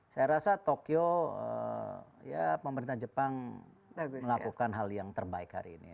saya rasa tokyo ya pemerintah jepang melakukan hal yang terbaik hari ini